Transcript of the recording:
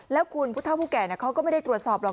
แล้วคุณผู้เท่าผู้แก่เขาก็ไม่ได้ตรวจสอบหรอก